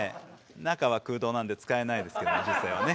中は空洞なんで使えないですけども実際はね。